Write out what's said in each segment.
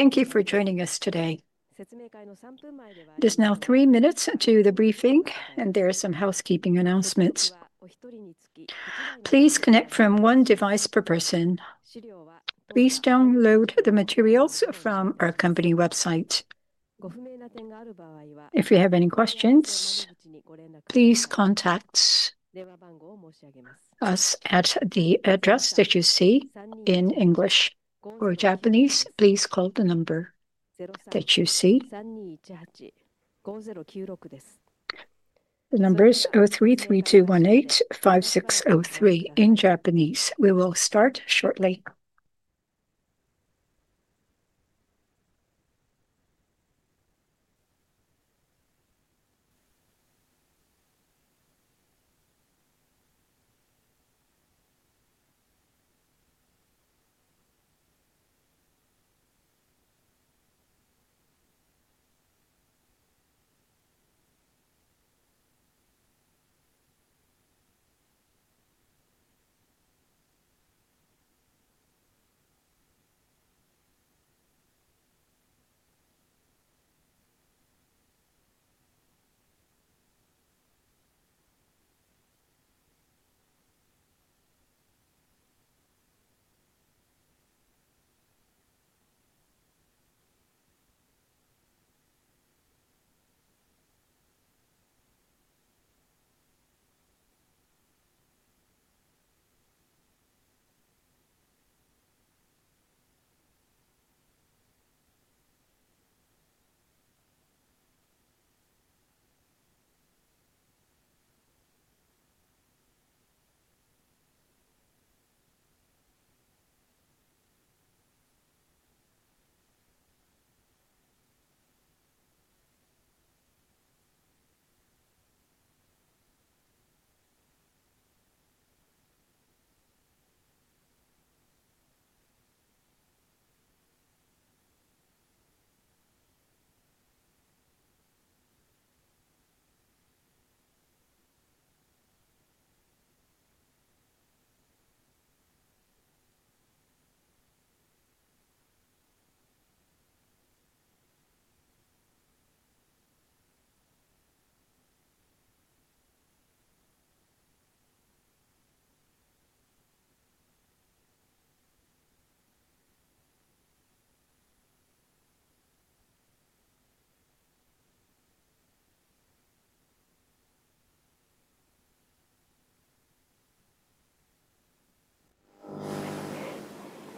Thank you for joining us today. It is now three minutes to the briefing, and there are some housekeeping announcements. Please connect from one device per person. Please download the materials from our company website. If you have any questions, please contact us at the address that you see in English. Or Japanese, please call the number that you see. The number is 0332185603 in Japanese. We will start shortly.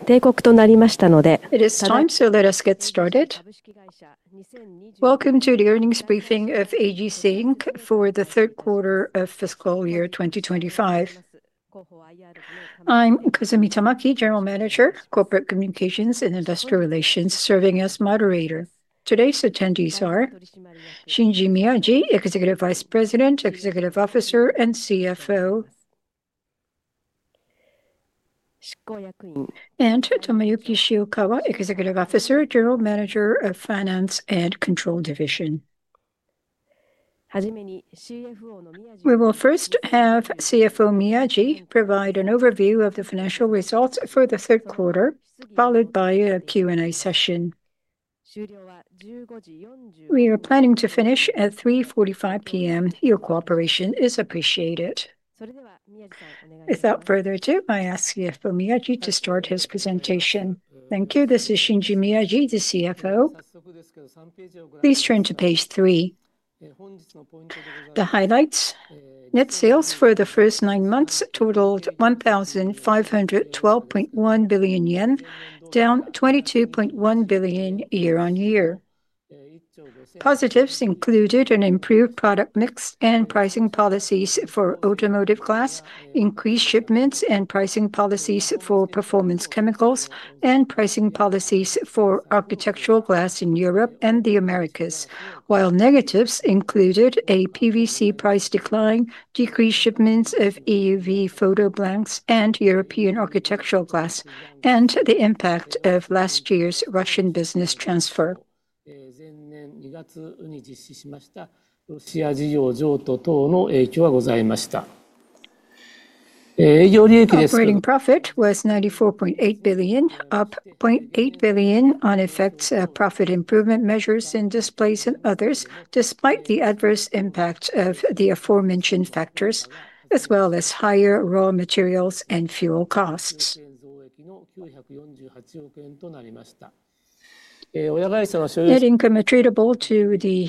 It is time, so let us get started. Welcome to the earnings briefing of AGC for the third quarter of fiscal year 2025. I'm Kazumi Tamaki, General Manager, Corporate Communications and Industrial Relations, serving as moderator. Today's attendees are Shinji Miyaji, Executive Vice President, Executive Officer, and CFO, and Tomoyuki Shiokawa, Executive Officer, General Manager of Finance and Control Division. We will first have CFO Miyaji provide an overview of the financial results for the third quarter, followed by a Q&A session. We are planning to finish at 3:45 P.M. Your cooperation is appreciated. Without further ado, I ask CFO Miyaji to start his presentation. Thank you. This is Shinji Miyaji, the CFO. Please turn to page three. The highlights: net sales for the first nine months totaled 1,512.1 billion yen, down 22.1 billion year-on-year. Positives included an improved product mix and pricing policies for automotive glass, increased shipments and pricing policies for performance chemicals, and pricing policies for architectural glass in Europe and the Americas. Negatives included a PVC price decline, decreased shipments of EUV photomask blanks and European architectural glass, and the impact of last year's Russian business transfer. Operating profit was 94.8 billion, up 0.8 billion on effects of profit improvement measures in displacement and others, despite the adverse impact of the aforementioned factors, as well as higher raw materials and fuel costs income attributable to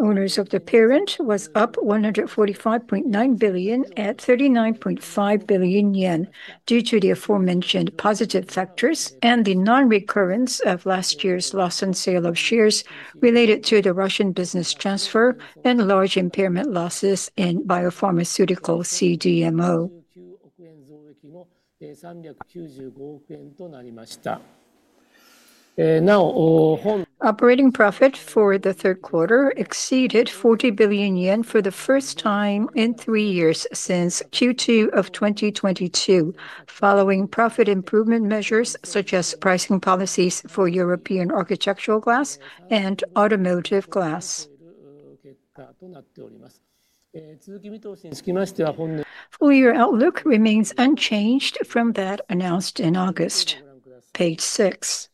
owners of the parent was up 145.9 billion at 39.5 billion yen, due to the aforementioned positive factors and the non-recurrence of last year's loss and sale of shares related to the Russian business transfer and large impairment losses in biopharmaceutical CDMO. Operating profit for the third quarter exceeded 40 billion yen for the first time in three years since Q2 of 2022, following profit improvement measures such as pricing policies for European architectural glass and automotive glass. As for the outlook. Full year outlook remains unchanged from that announced in August. Page six.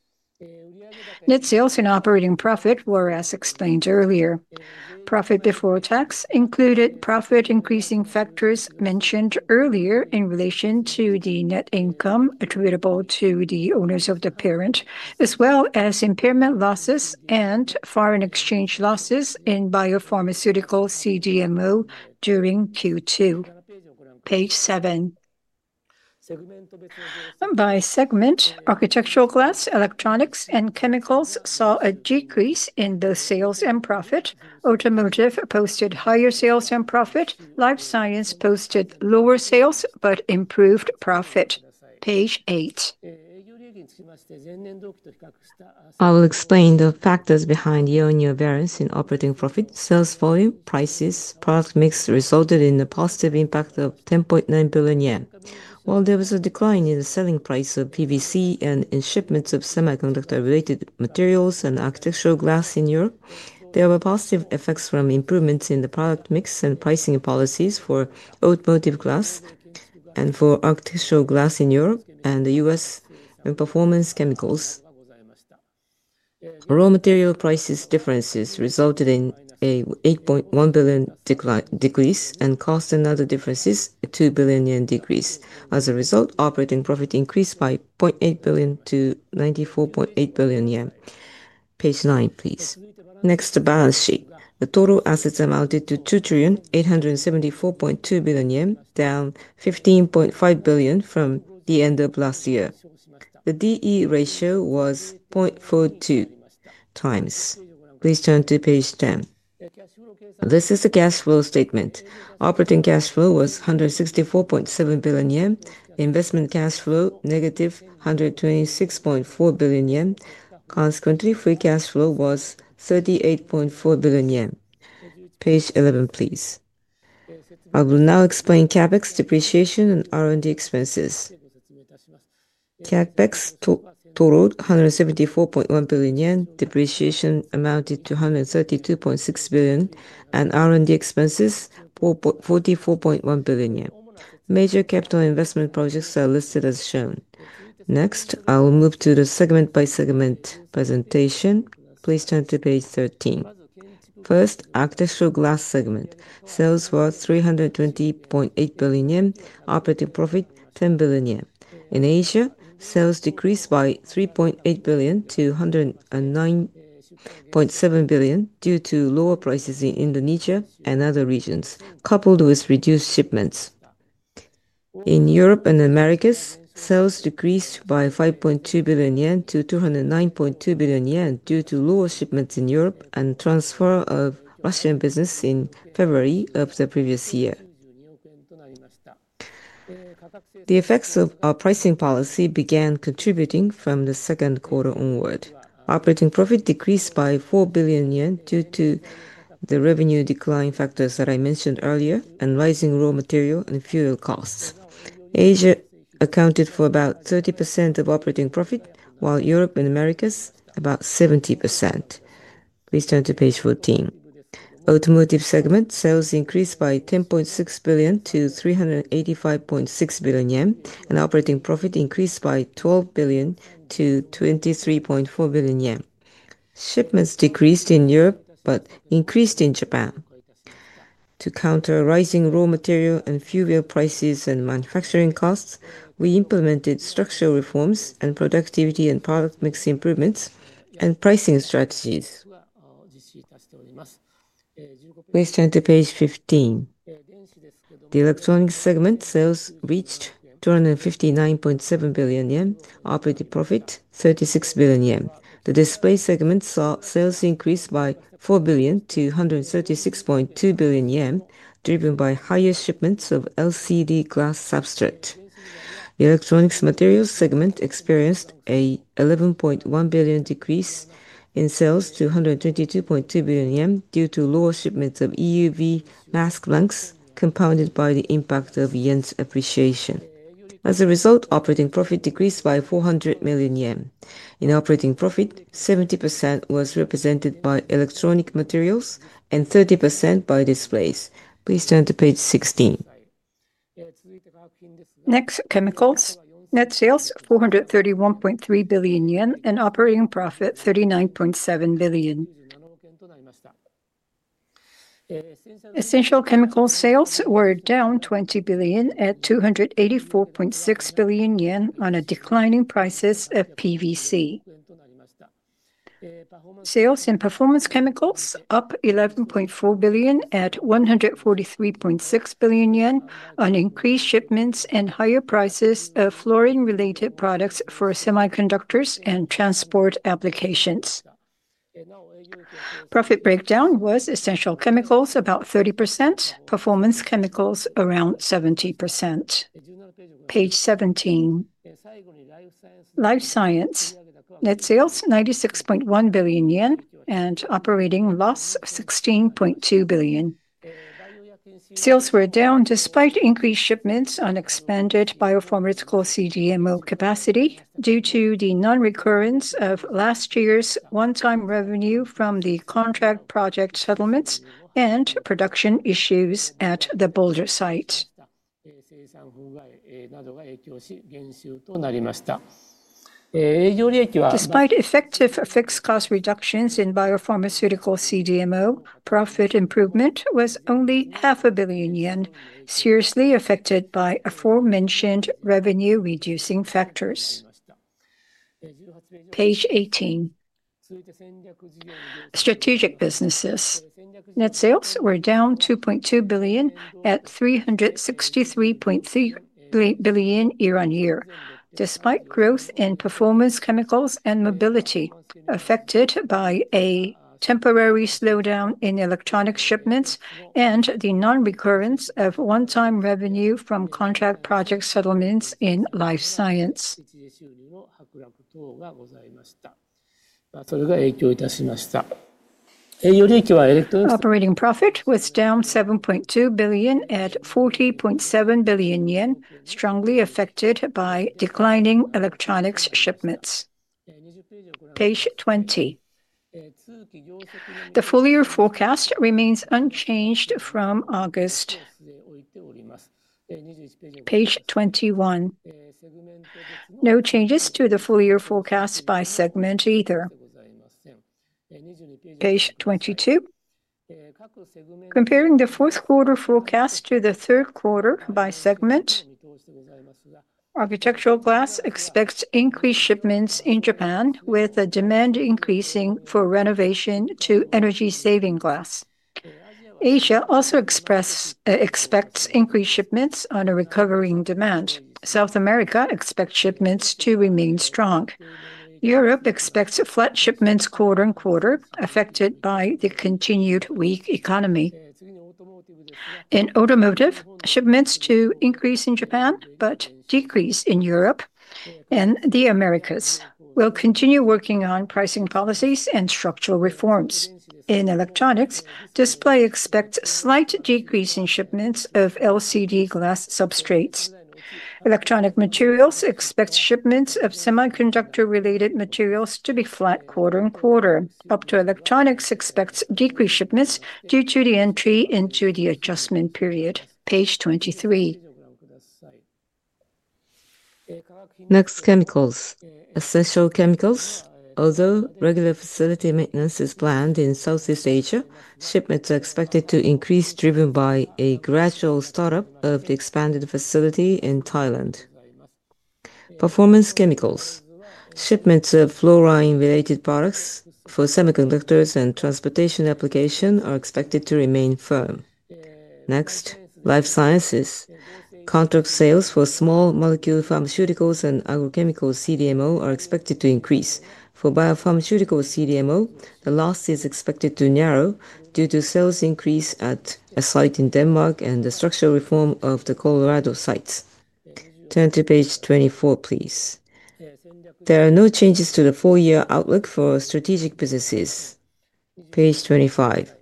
Net sales and operating profit were as explained earlier. Profit before tax included profit increasing factors mentioned earlier in relation to the net income attributable to the owners of the parent, as well as impairment losses and foreign exchange losses in biopharmaceutical CDMO during Q2. Page seven. By segment, architectural glass, electronics, and chemicals saw a decrease in the sales and profit. Automotive posted higher sales and profit. Life science posted lower sales but improved profit. Page eight. I will explain the factors behind year-on-year variance in operating profit, sales volume, prices, product mix resulted in the positive impact of 10.9 billion yen. While there was a decline in the selling price of PVC and in shipments of semiconductor-related materials and architectural glass in Europe, there were positive effects from improvements in the product mix and pricing policies for automotive glass and for architectural glass in Europe and the U.S. and performance chemicals. Raw material prices differences resulted in a 8.1 billion decrease and cost and other differences a 2 billion yen decrease. As a result, operating profit increased by 0.8 billion to 94.8 billion yen. Page nine, please. Next, the balance sheet. The total assets amounted to 2,874.2 billion yen, down 15.5 billion from the end of last year. The DE ratio was 0.42x. Please turn to page ten. This is the cash flow statement. Operating cash flow was 164.7 billion yen. Investment cash flow negative 126.4 billion yen. Consequently, free cash flow was 38.4 billion yen. Page 11, please. I will now explain CapEx, depreciation, and R&D expenses. CapEx totaled 174.1 billion yen. Depreciation amounted to 132.6 billion, and R&D expenses 44.1 billion yen. Major capital investment projects are listed as shown. Next, I will move to the segment-by-segment presentation. Please turn to page 13. First, architectural glass segment. Sales were 320.8 billion yen. Operating profit 10 billion yen. In Asia, sales decreased by 3.8 billion to 109.7 billion due to lower prices in Indonesia and other regions, coupled with reduced shipments. In Europe and the Americas, sales decreased by 5.2 billion yen to 209.2 billion yen due to lower shipments in Europe and transfer of Russian business in February of the previous year. The effects of our pricing policy began contributing from the second quarter onward. Operating profit decreased by 4 billion yen due to the revenue decline factors that I mentioned earlier and rising raw material and fuel costs. Asia accounted for about 30% of operating profit, while Europe and the Americas about 70%. Please turn to page 14. Automotive segment. Sales increased by 10.6 billion to 385.6 billion yen, and operating profit increased by 12 billion-23.4 billion yen. Shipments decreased in Europe but increased in Japan. To counter rising raw material and fuel prices and manufacturing costs, we implemented structural reforms and productivity and product mix improvements and pricing strategies. Please turn to page 15. The electronics segment. Sales reached 259.7 billion yen. Operating profit 36 billion yen. The display segment saw sales increase by 4 billion to 136.2 billion yen, driven by higher shipments of LCD glass substrate. The electronics materials segment experienced a 11.1 billion decrease in sales to 122.2 billion yen due to lower shipments of EUV mask blanks compounded by the impact of yen's appreciation. As a result, operating profit decreased by 400 million yen. In operating profit, 70% was represented by electronic materials and 30% by displays. Please turn to page 16. Next, chemicals. Net sales 431.3 billion yen and operating profit 39.7 billion. Essential chemical sales were down 20 billion at 284.6 billion yen on declining prices of PVC. Sales in performance chemicals up 11.4 billion at 143.6 billion yen on increased shipments and higher prices of fluorine-related products for semiconductors and transport applications. Profit breakdown was essential chemicals about 30%, performance chemicals around 70%. Page 17. Life science. Net sales 96.1 billion yen and operating loss 16.2 billion. Sales were down despite increased shipments on expanded biopharmaceutical CDMO capacity due to the non-recurrence of last year's one-time revenue from the contract project settlements and production issues at the Boulder site. Despite effective fixed cost reductions in biopharmaceutical CDMO, profit improvement was only 500 million yen, seriously affected by aforementioned revenue-reducing factors. Page 18. Strategic businesses. Net sales were down 2.2 billion at 363.3 billion year-on-year, despite growth in performance chemicals and mobility affected by a temporary slowdown in electronics shipments and the non-recurrence of one-time revenue from contract project settlements in life science. Operating profit was down 7.2 billion at 40.7 billion yen, strongly affected by declining electronics shipments. Page 20. The full year forecast remains unchanged from August. Page 21. No changes to the full year forecast by segment either. Page 22. Comparing the fourth quarter forecast to the third quarter by segment. Architectural glass expects increased shipments in Japan, with demand increasing for renovation to energy-saving glass. Asia also expects increased shipments on a recovering demand. South America expects shipments to remain strong. Europe expects flat shipments quarter on quarter, affected by the continued weak economy. In automotive, shipments to increase in Japan but decrease in Europe. The Americas will continue working on pricing policies and structural reforms. In electronics, display expects slight decrease in shipments of LCD glass substrates. Electronic materials expect shipments of semiconductor-related materials to be flat quarter on quarter. Optoelectronics expects decreased shipments due to the entry into the adjustment period. Page 23. Next, chemicals. Essential chemicals. Although regular facility maintenance is planned in Southeast Asia, shipments are expected to increase, driven by a gradual startup of the expanded facility in Thailand. Performance chemicals. Shipments of fluorine-related products for semiconductors and transportation application are expected to remain firm. Next, life sciences. Contract sales for small molecule pharmaceuticals and agrochemical CDMO are expected to increase. For biopharmaceutical CDMO, the loss is expected to narrow due to sales increase at a site in Denmark and the structural reform of the Colorado site. Turn to page 24, please. There are no changes to the full year outlook for strategic businesses. Page 25.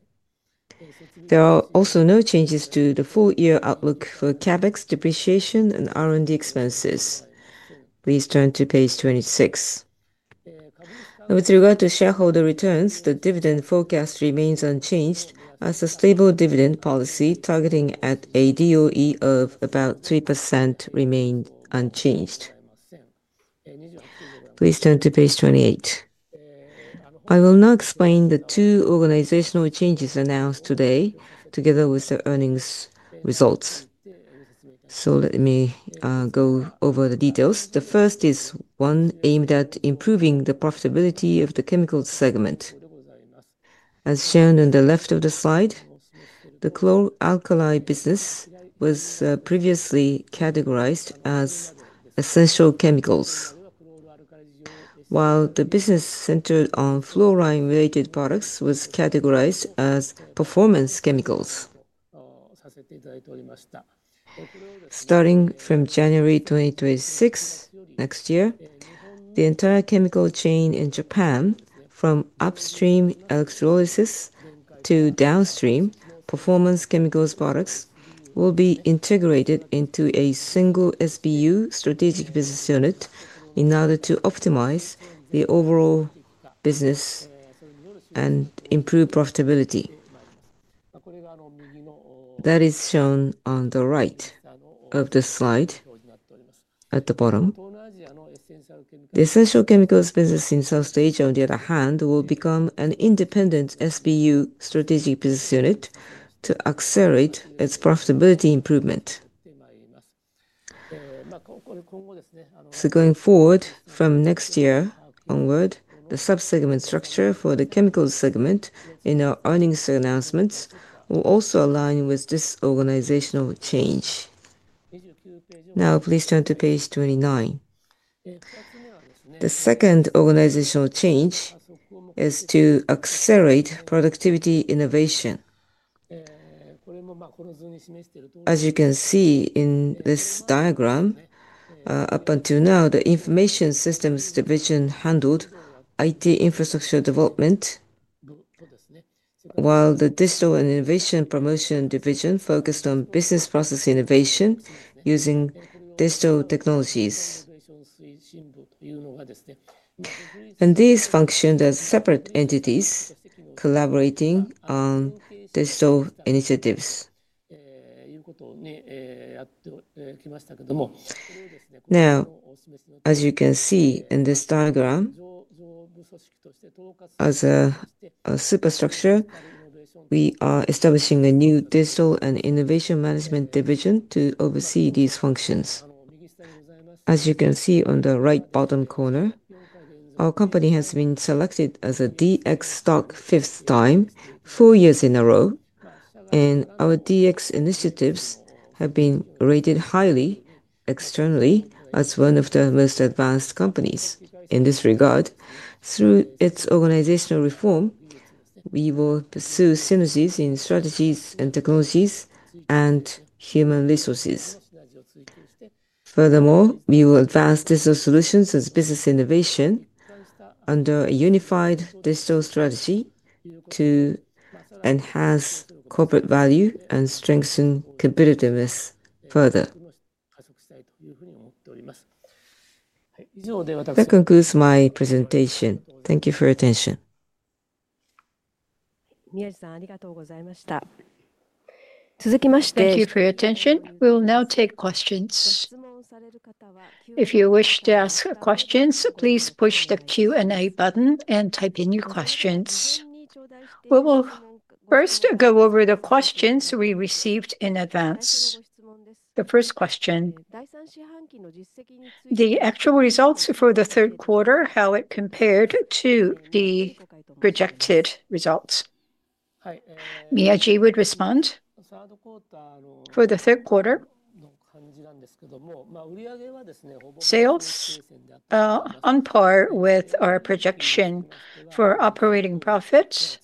There are also no changes to the full year outlook for CapEx, depreciation, and R&D expenses. Please turn to page 26. With regard to shareholder returns, the dividend forecast remains unchanged as a stable dividend policy targeting at a DOE of about 3% remained unchanged. Please turn to page 28. I will now explain the two organizational changes announced today together with the earnings results. Let me go over the details. The first is one aimed at improving the profitability of the chemicals segment. As shown on the left of the slide, the chlor-alkali business was previously categorized as essential chemicals, while the business centered on fluorine-related products was categorized as performance chemicals. Starting from January 2026 next year, the entire chemical chain in Japan, from upstream electrolysis to downstream performance chemicals products, will be integrated into a single SBU strategic business unit in order to optimize the overall business and improve profitability. That is shown on the right of the slide. At the bottom, the essential chemicals business in South Asia, on the other hand, will become an independent SBU strategic business unit to accelerate its profitability improvement. Going forward from next year onward, the sub-segment structure for the chemicals segment in our earnings announcements will also align with this organizational change. Now, please turn to page 29. The second organizational change is to accelerate productivity innovation. As you can see in this diagram, up until now, the information systems division handled IT infrastructure development, while the digital and innovation promotion division focused on business process innovation using digital technologies, and these functioned as separate entities collaborating on digital initiatives. Now, as you can see in this diagram, as a superstructure, we are establishing a new digital and innovation management division to oversee these functions. As you can see on the right bottom corner, our company has been selected as a DX stock fifth time, four years in a row, and our DX initiatives have been rated highly externally as one of the most advanced companies in this regard. Through its organizational reform, we will pursue synergies in strategies and technologies and human resources. Furthermore, we will advance digital solutions as business innovation under a unified digital strategy to enhance corporate value and strengthen competitiveness further. That concludes my presentation. Thank you for your attention. Thank you for your attention. We will now take questions. If you wish to ask questions, please push the Q&A button and type in your questions. We will first go over the questions we received in advance. The first question. The actual results for the third quarter, how it compared to the projected results. Miyaji would respond. For the third quarter. Sales are on par with our projection for operating profits.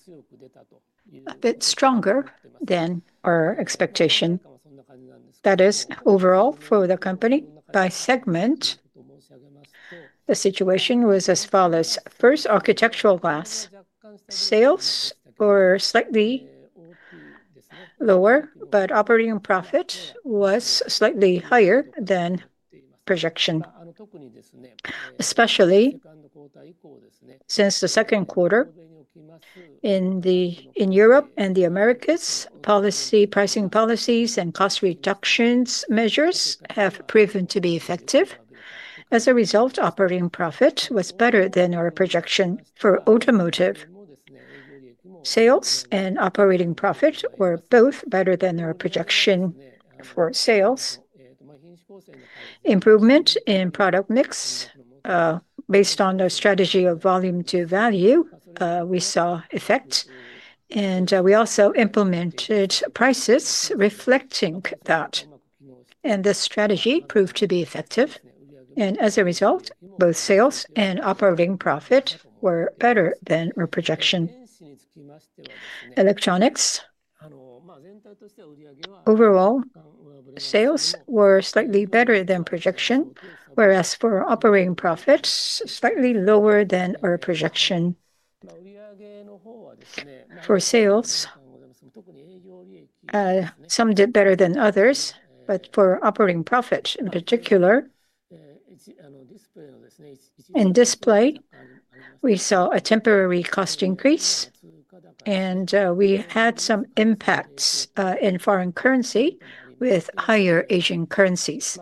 A bit stronger than our expectation. That is overall for the company. By segment, the situation was as follows. First, architectural glass. Sales were slightly lower, but operating profit was slightly higher than projection. Especially since the second quarter, in Europe and the Americas, pricing policies and cost reduction measures have proven to be effective. As a result, operating profit was better than our projection. For automotive, sales and operating profit were both better than our projection. For sales, improvement in product mix based on the strategy of volume to value, we saw effect, and we also implemented prices reflecting that. This strategy proved to be effective, and as a result, both sales and operating profit were better than our projection. Electronics, overall, sales were slightly better than projection, whereas for operating profit, slightly lower than our projection. For sales, some did better than others, but for operating profit in particular, in display, we saw a temporary cost increase. We had some impacts in foreign currency with higher Asian currencies.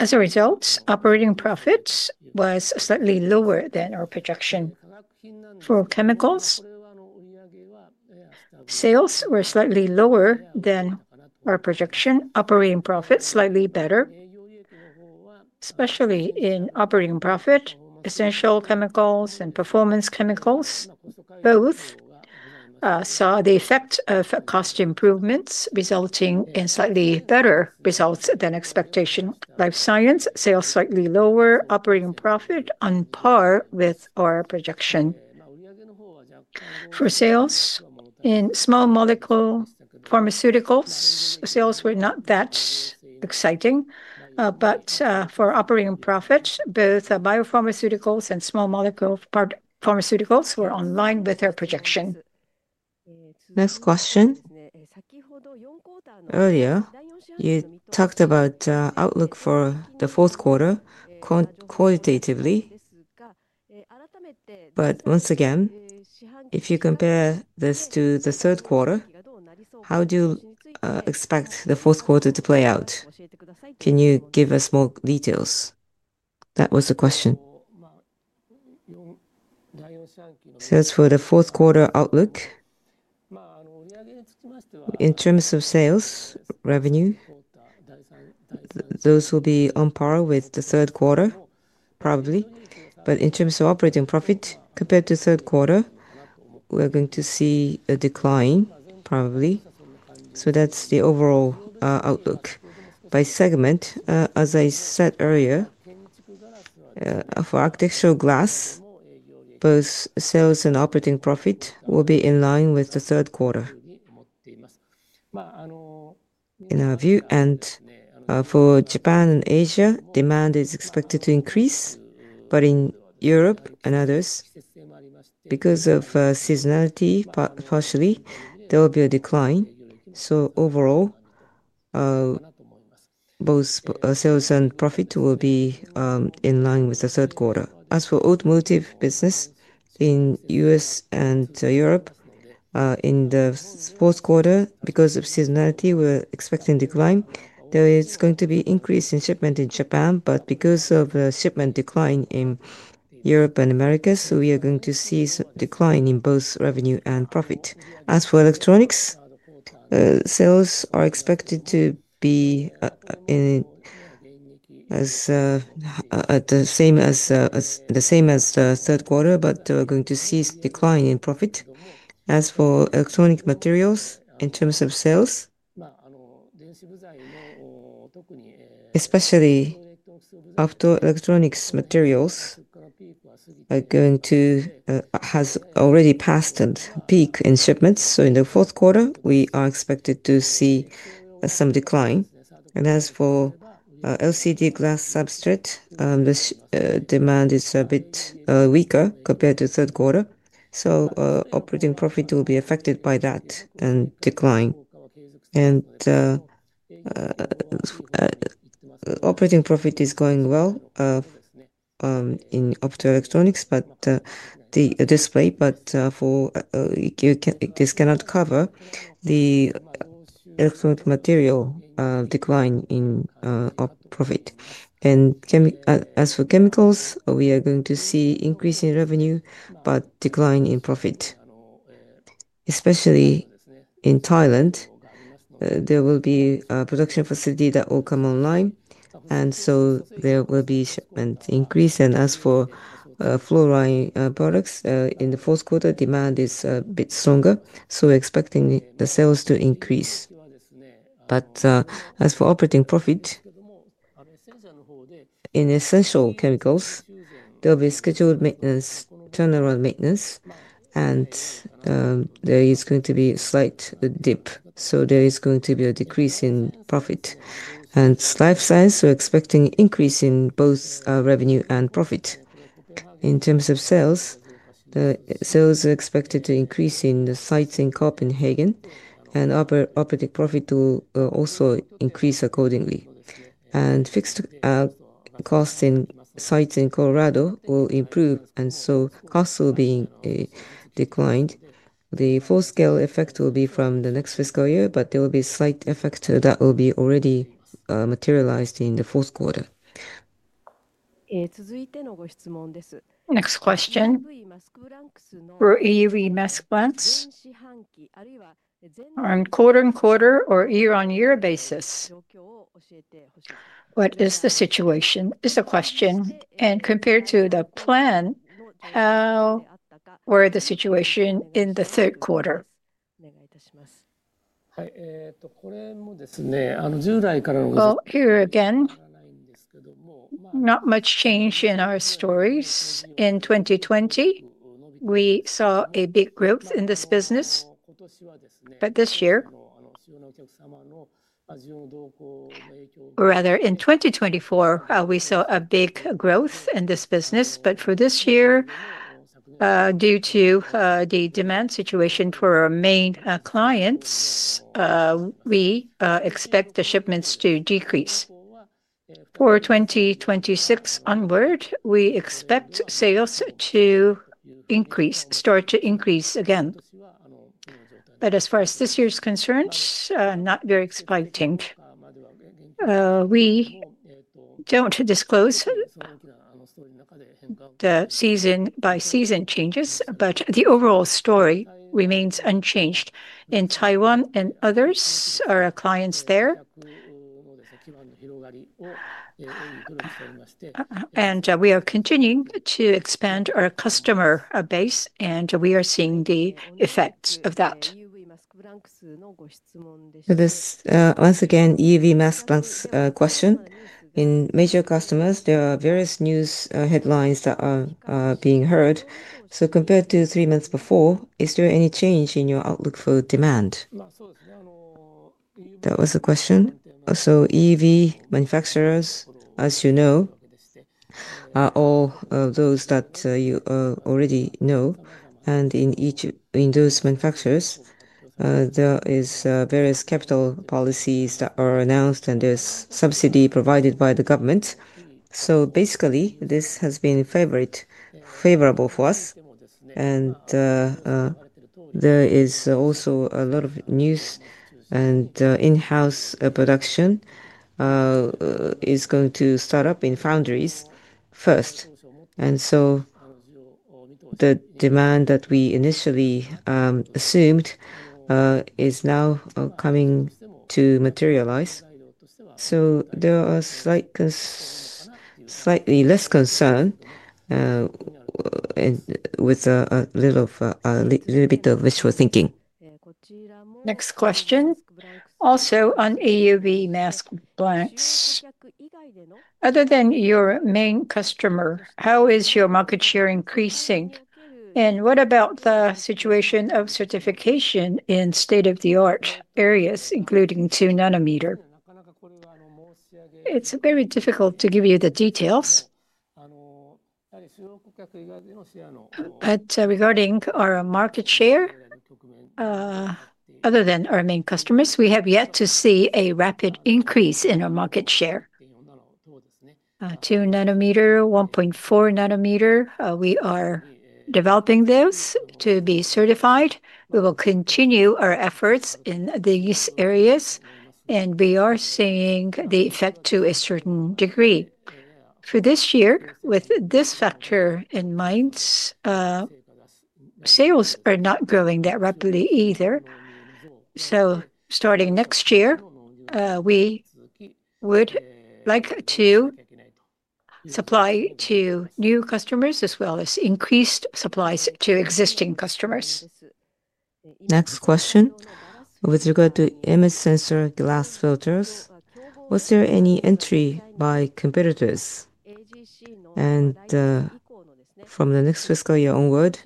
As a result, operating profit was slightly lower than our projection. For chemicals, sales were slightly lower than our projection, operating profit slightly better. Especially in operating profit, essential chemicals and performance chemicals both saw the effect of cost improvements resulting in slightly better results than expectation. Life science, sales slightly lower, operating profit on par with our projection. For sales in small molecule pharmaceuticals, sales were not that exciting, but for operating profit, both biopharmaceuticals and small molecule pharmaceuticals were on line with our projection. Next question. Earlier, you talked about the outlook for the fourth quarter qualitatively. Once again, if you compare this to the third quarter, how do you expect the fourth quarter to play out? Can you give us more details? That was the question. For the fourth quarter outlook, in terms of sales revenue, those will be on par with the third quarter, probably. In terms of operating profit, compared to third quarter, we are going to see a decline, probably. That is the overall outlook. By segment, as I said earlier, for architectural glass, both sales and operating profit will be in line with the third quarter. In our view, for Japan and Asia, demand is expected to increase, but in Europe and others, because of seasonality, partially, there will be a decline. Overall, both sales and profit will be in line with the third quarter. As for automotive business, in the U.S. and Europe, in the fourth quarter, because of seasonality, we are expecting a decline. There is going to be an increase in shipment in Japan, but because of the shipment decline in Europe and America, we are going to see a decline in both revenue and profit. As for electronics, sales are expected to be the same as the third quarter, but we are going to see a decline in profit. As for electronic materials, in terms of sales. Especially. After electronics, materials are going to have already passed a peak in shipments. In the fourth quarter, we are expected to see some decline. As for LCD glass substrate, demand is a bit weaker compared to the third quarter, so operating profit will be affected by that and decline. Operating profit is going well in electronics, but the display, but for this cannot cover the electronic material decline in profit. As for chemicals, we are going to see an increase in revenue, but a decline in profit. Especially in Thailand, there will be a production facility that will come online, and so there will be a shipment increase. As for fluorine products, in the fourth quarter, demand is a bit stronger, so we're expecting the sales to increase. As for operating profit in essential chemicals, there will be scheduled maintenance, turnaround maintenance, and there is going to be a slight dip. There is going to be a decrease in profit. In life science, we're expecting an increase in both revenue and profit. In terms of sales, sales are expected to increase in the sites in Copenhagen, and operating profit will also increase accordingly. Fixed costs in sites in Colorado will improve, and so costs will be declined. The full-scale effect will be from the next fiscal year, but there will be a slight effect that will be already materialized in the fourth quarter. Next question. For EUV mask blanks. On quarter-on-quarter or year-on-year basis? What is the situation? Is the question. Compared to the plan, how were the situation in the third quarter? Oh, here again. Not much change in our stories. In 2020, we saw a big growth in this business. But this year, Rather, in 2024, we saw a big growth in this business, but for this year, due to the demand situation for our main clients, we expect the shipments to decrease. For 2026 onward, we expect sales to increase, start to increase again. As far as this year's concerns, not very exciting. We don't disclose the season-by-season changes, but the overall story remains unchanged. In Taiwan and others, our clients there, We are continuing to expand our customer base, and we are seeing the effects of that. EUV mask blanks. This is once again an EUV mask blanks question. In major customers, there are various news headlines that are being heard. Compared to three months before, is there any change in your outlook for demand? That was the question. EUV manufacturers, as you know, are all those that you already know. In each of those manufacturers, there are various capital policies that are announced, and there's subsidy provided by the government. Basically, this has been favorable for us. There is also a lot of news. In-house production. Is going to start up in foundries first. The demand that we initially assumed is now coming to materialize. There are slightly less concern, with a little bit of visual thinking. Next question. Also on EUV mask blanks. Other than your main customer, how is your market share increasing? And what about the situation of certification in state-of-the-art areas, including 2 nanometer? It's very difficult to give you the details. But regarding our market share, other than our main customers, we have yet to see a rapid increase in our market share. 2 nanometer, 1.4 nanometer, we are developing those to be certified. We will continue our efforts in these areas, and we are seeing the effect to a certain degree. For this year, with this factor in mind, sales are not growing that rapidly either. Starting next year, we would like to supply to new customers as well as increase supplies to existing customers. Next question. With regard to image sensor glass filters, was there any entry by competitors? From the next fiscal year onward,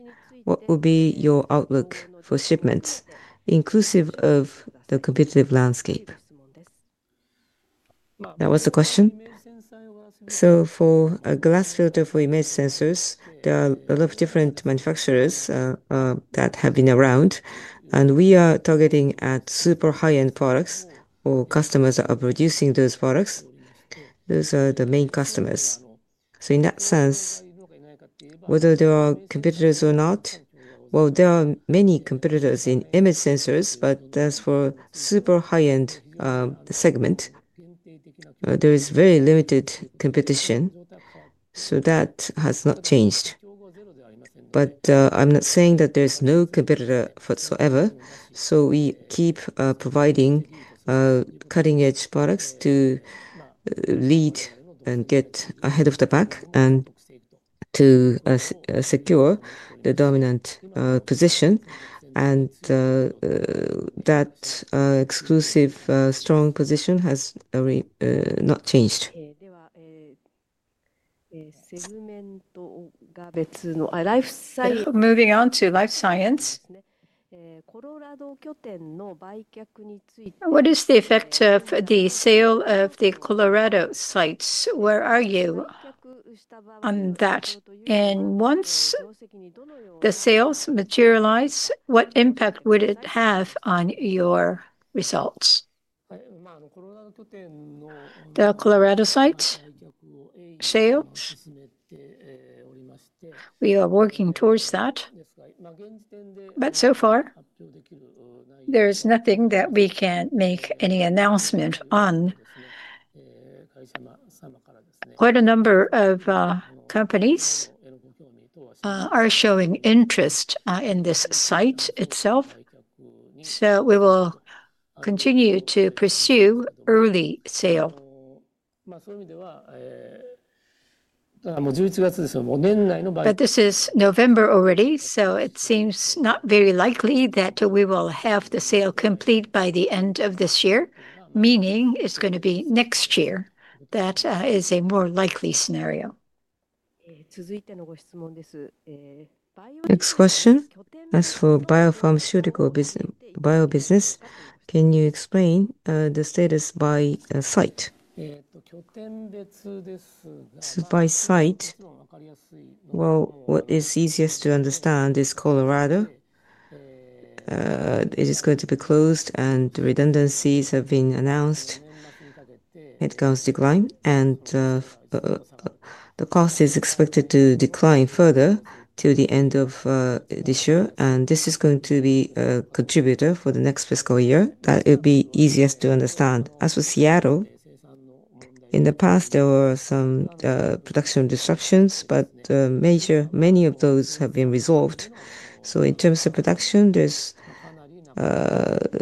what will be your outlook for shipments, inclusive of the competitive landscape? That was the question. For a glass filter for image sensors, there are a lot of different manufacturers that have been around, and we are targeting at super high-end products or customers that are producing those products. Those are the main customers. In that sense, whether there are competitors or not, there are many competitors in image sensors, but for a super high-end segment, there is very limited competition. That has not changed. I'm not saying that there's no competitor whatsoever. We keep providing cutting-edge products to lead and get ahead of the pack and to secure the dominant position. That exclusive strong position has not changed. Moving on to life science. What is the effect of the sale of the Colorado sites? Where are you on that? Once the sales materialize, what impact would it have on your results? The Colorado sites sale? We are working towards that, but so far, there is nothing that we can make any announcement on. Quite a number of companies are showing interest in this site itself. We will continue to pursue early sale. This is November already, so it seems not very likely that we will have the sale complete by the end of this year, meaning it's going to be next year. That is a more likely scenario. Next question. As for biopharmaceutical business, can you explain the status by site? By site. What is easiest to understand is Colorado. It is going to be closed, and the redundancies have been announced. It comes decline, and the cost is expected to decline further to the end of this year. This is going to be a contributor for the next fiscal year. That would be easiest to understand. As for Seattle, in the past, there were some production disruptions, but many of those have been resolved. In terms of production, there is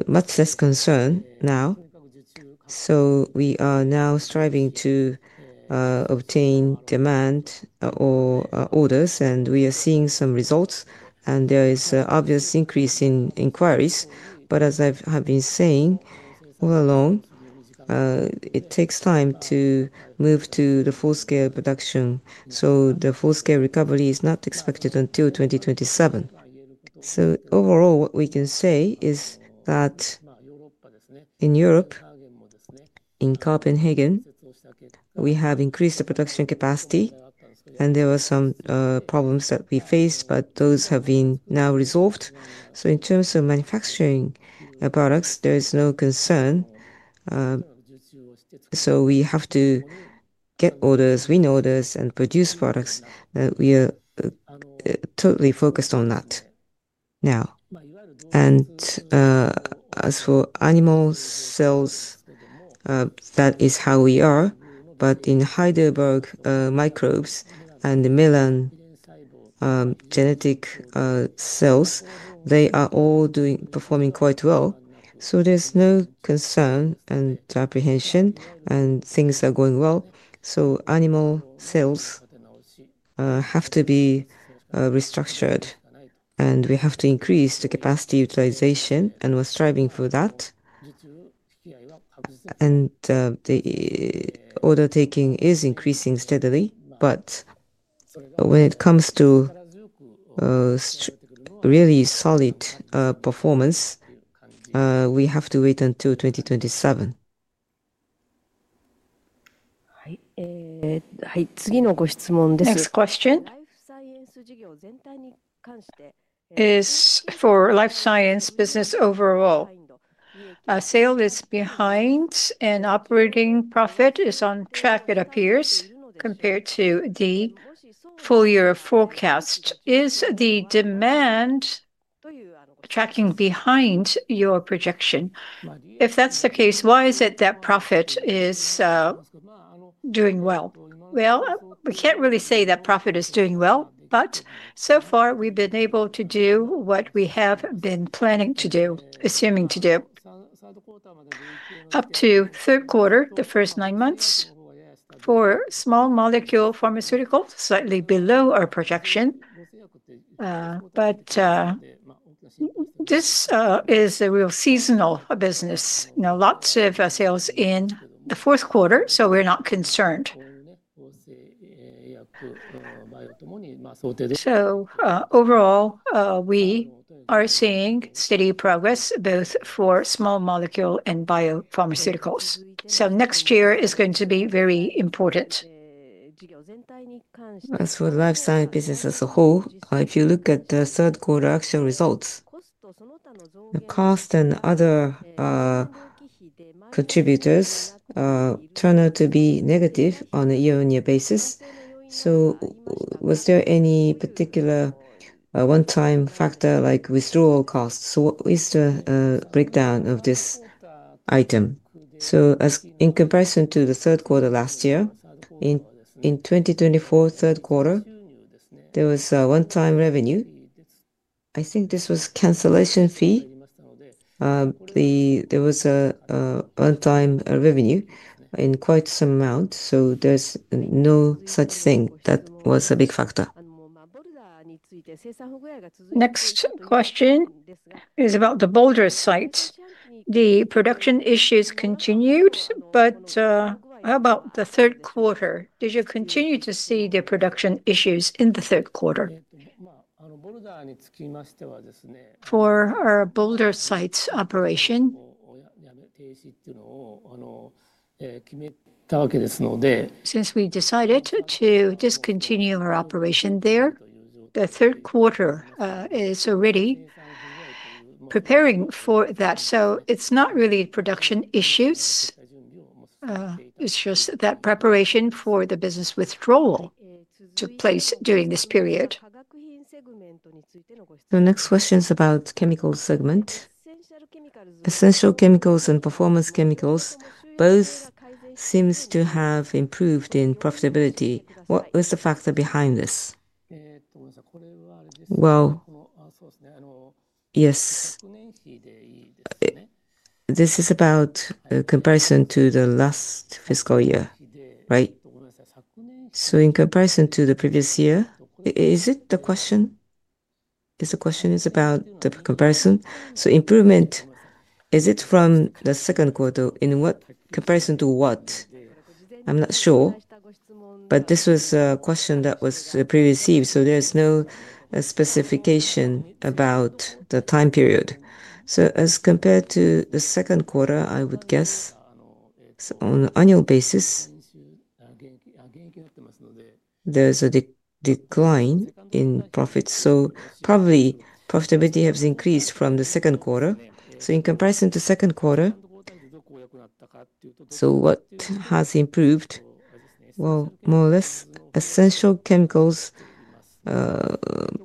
much less concern now. We are now striving to obtain demand or orders, and we are seeing some results. There is an obvious increase in inquiries. As I have been saying all along, it takes time to move to full-scale production. The full-scale recovery is not expected until 2027. Overall, what we can say is that in Europe, in Copenhagen, we have increased the production capacity, and there were some problems that we faced, but those have now been resolved. In terms of manufacturing products, there is no concern. We have to get orders, win orders, and produce products. We are totally focused on that now. As for animal cells, that is how we are. In Heidelberg, microbes and the melan genetic cells, they are all performing quite well. There is no concern and apprehension, and things are going well. Animal cells have to be restructured, and we have to increase the capacity utilization, and we are striving for that. The order taking is increasing steadily. When it comes to really solid performance, we have to wait until 2027. Next question. Is for life science business overall. Sale is behind, and operating profit is on track, it appears, compared to the full-year forecast. Is the demand tracking behind your projection? If that's the case, why is it that profit is doing well? We can't really say that profit is doing well, but so far, we've been able to do what we have been planning to do, assuming to do, up to third quarter, the first nine months. For small molecule pharmaceuticals, slightly below our projection. This is a real seasonal business. Lots of sales in the fourth quarter, so we are not concerned. Overall, we are seeing steady progress both for small molecule and biopharmaceuticals. Next year is going to be very important. As for life science business as a whole, if you look at the third quarter actual results, cost and other contributors turn out to be negative on a year-on-year basis. Was there any particular one-time factor like withdrawal costs? What is the breakdown of this item? In comparison to the third quarter last year, in 2024 third quarter, there was a one-time revenue. I think this was a cancellation fee. There was a one-time revenue in quite some amount. There is no such thing that was a big factor. Next question is about the Boulder site. The production issues continued. How about the third quarter? Did you continue to see the production issues in the third quarter? For our Boulder site's operation. Since we decided to discontinue our operation there, the third quarter is already preparing for that. It is not really production issues. It's just that preparation for the business withdrawal took place during this period. The next question is about the chemical segment. Essential chemicals and performance chemicals both seem to have improved in profitability. What was the factor behind this? Yes, this is about a comparison to the last fiscal year, right? In comparison to the previous year, is it the question? Because the question is about the comparison. Improvement, is it from the second quarter in what comparison to what? I'm not sure. This was a question that was previously received, so there's no specification about the time period. As compared to the second quarter, I would guess. On an annual basis, there's a decline in profits. Probably profitability has increased from the second quarter. In comparison to the second quarter, what has improved? More or less, essential chemicals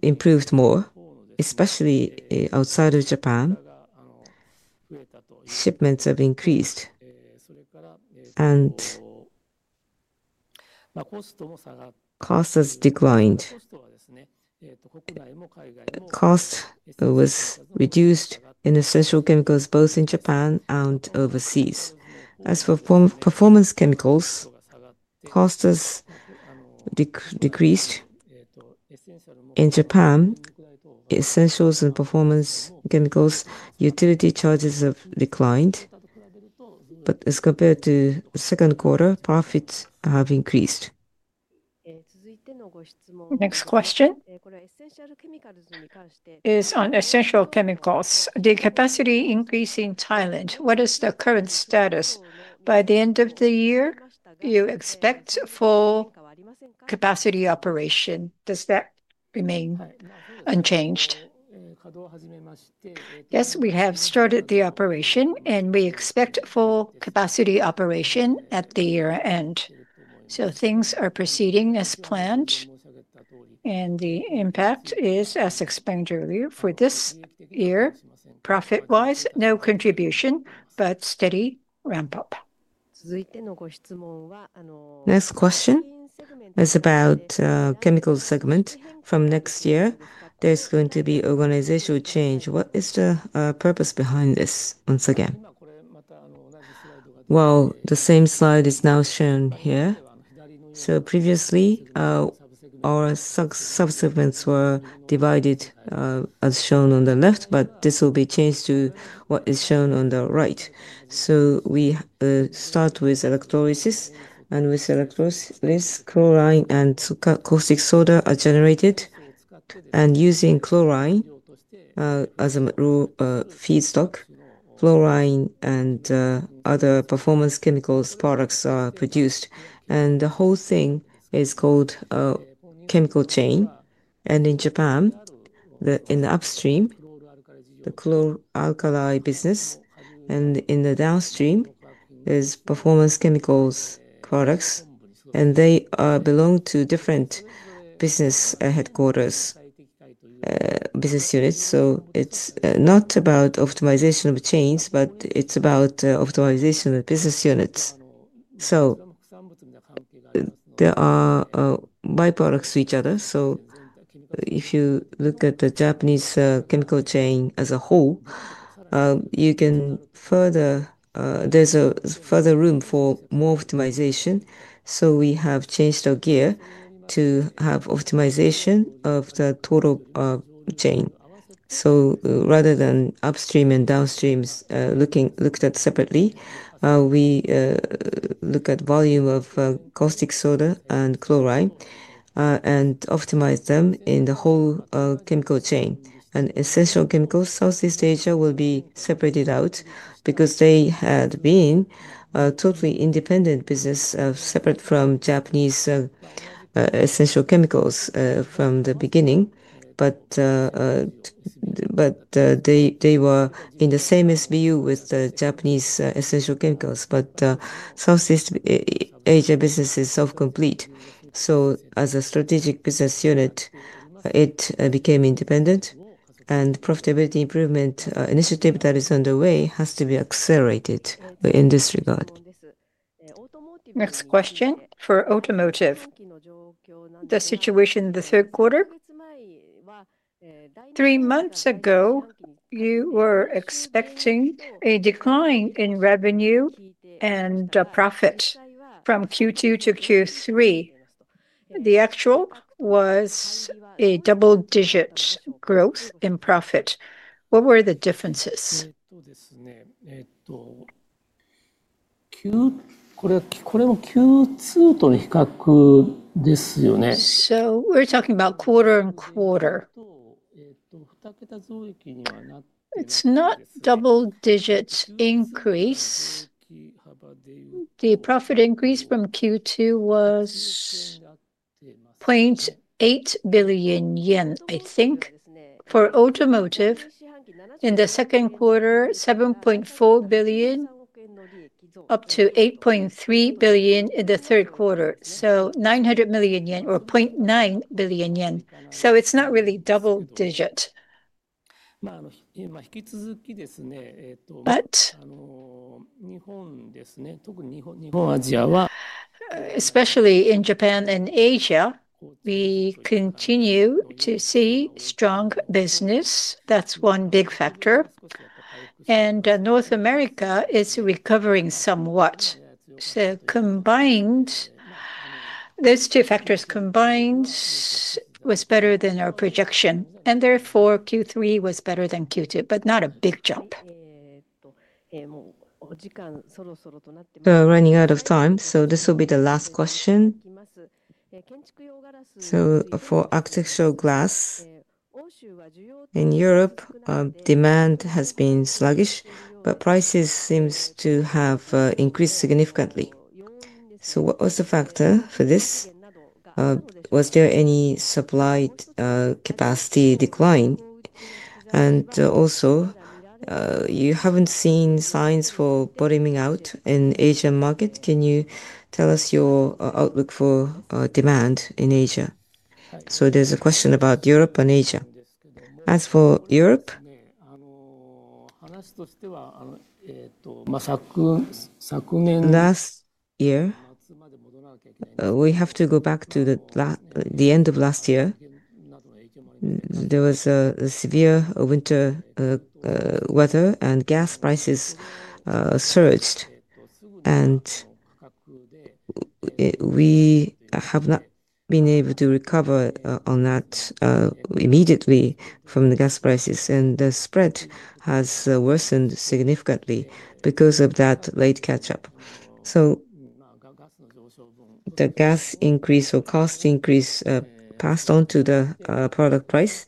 improved more, especially outside of Japan. Shipments have increased, and cost has declined. Cost was reduced in essential chemicals, both in Japan and overseas. As for performance chemicals, cost has decreased in Japan. Essentials and performance chemicals, utility charges have declined. As compared to the second quarter, profits have increased. Next question is on essential chemicals. The capacity increase in Thailand, what is the current status? By the end of the year, you expect full capacity operation. Does that remain unchanged? Yes, we have started the operation, and we expect full capacity operation at the year-end. Things are proceeding as planned. The impact is, as explained earlier, for this year, profit-wise, no contribution, but steady ramp-up. Next question is about the chemical segment. From next year, there's going to be organizational change. What is the purpose behind this? Once again, the same slide is now shown here. Previously, our sub-segments were divided as shown on the left, but this will be changed to what is shown on the right. We start with electrolysis, and with electrolysis, chlorine and caustic soda are generated. Using chlorine as a rule feedstock, chlorine and other performance chemicals products are produced. The whole thing is called chemical chain. In Japan, in the upstream, the chlor-alkali business, and in the downstream is performance chemicals products. They belong to different business headquarters, business units. It's not about optimization of the chains, but it's about optimization of the business units. There are byproducts to each other. If you look at the Japanese chemical chain as a whole, there's further room for more optimization. We have changed our gear to have optimization of the total chain. Rather than upstream and downstream looked at separately, we look at the volume of caustic soda and chlorine and optimize them in the whole chemical chain. Essential chemicals, Southeast Asia will be separated out because they had been totally independent business, separate from Japanese essential chemicals from the beginning. But. They were in the same SBU with the Japanese essential chemicals. But Southeast Asia business is self-complete. So as a strategic business unit, it became independent. And profitability improvement initiative that is underway has to be accelerated in this regard. Next question. For automotive. The situation in the third quarter. Three months ago, you were expecting a decline in revenue and profit from Q2 to Q3. The actual was a double-digit growth in profit. What were the differences? Q2 So we're talking about quarter and quarter. It's not double-digit increase. The profit increase from Q2 was 0.8 billion yen, I think. For automotive, in the second quarter, 7.4 billion. Up to 8.3 billion in the third quarter. So 900 million yen, or 0.9 billion yen. So it's not really double-digit. Especially in Japan and Asia. We continue to see strong business. That's one big factor. And North America is recovering somewhat. Those two factors combined was better than our projection. Therefore, Q3 was better than Q2, but not a big jump. Running out of time, so this will be the last question. For architectural glass. In Europe, demand has been sluggish, but prices seem to have increased significantly. What was the factor for this? Was there any supply capacity decline? Also, you haven't seen signs for bottoming out in the Asian market. Can you tell us your outlook for demand in Asia? So there's a question about Europe and Asia. As for Europe. Last year. We have to go back to the end of last year. There was a severe winter. Weather, and gas prices surged. We have not been able to recover on that immediately from the gas prices. The spread has worsened significantly because of that late catch-up. The gas increase or cost increase passed on to the product price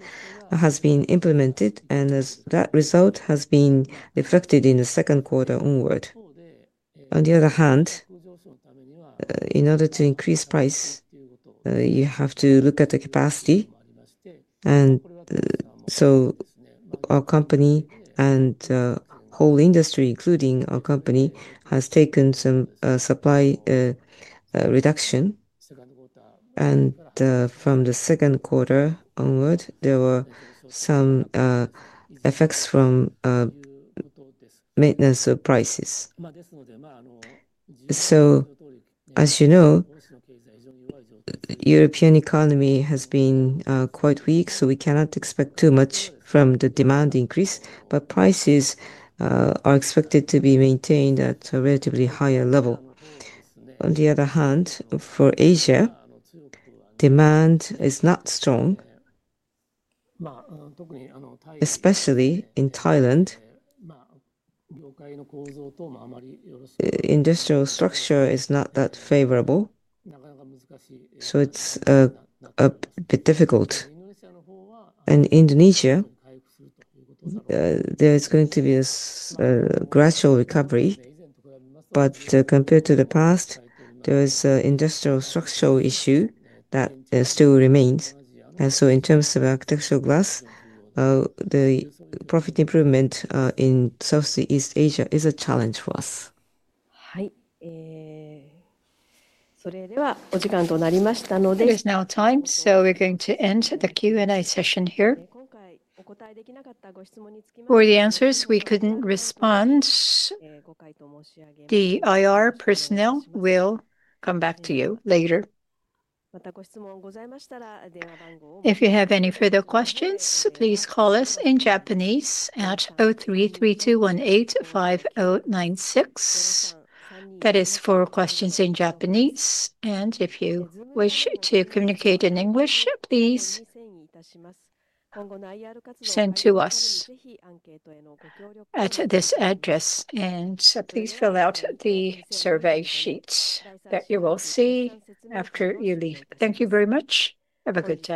has been implemented, and that result has been reflected in the second quarter onward. On the other hand, in order to increase price, you have to look at the capacity. The whole industry, including our company, has taken some supply reduction. From the second quarter onward, there were some effects from maintenance of prices. As you know, the European economy has been quite weak, so we cannot expect too much from the demand increase, but prices are expected to be maintained at a relatively higher level. On the other hand, for Asia. Demand is not strong. Especially in Thailand. Industrial structure is not that favorable. So it's a bit difficult. In Indonesia, there is going to be a gradual recovery. But compared to the past, there is an industrial structural issue that still remains. In terms of architectural glass, the profit improvement in Southeast Asia is a challenge for us. It is now time, so we're going to end the Q&A session here. For the answers, we couldn't respond. The IR personnel will come back to you later. If you have any further questions, please call us in Japanese at 03-3218-5096. That is for questions in Japanese. If you wish to communicate in English, please send to us at this address. Please fill out the survey sheets that you will see after you leave. Thank you very much. Have a good day.